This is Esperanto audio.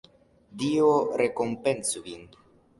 Dio rekompencu vin!